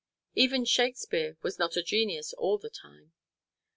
Even Shakespeare was not a genius all the time.